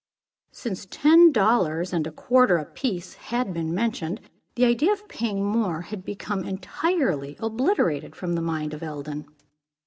Since ten dollars and a quarter a piece had been mentioned; the idea of paying more had become entirely obliterated from the mind of Eldon.